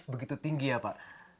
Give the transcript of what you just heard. begitu tinggi ya pak